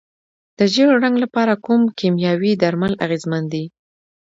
د ژیړ زنګ لپاره کوم کیمیاوي درمل اغیزمن دي؟